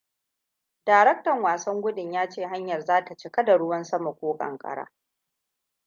Daraktan wasan gudun yace hanyar za ta cika da ruwan sama ko ƙanƙara.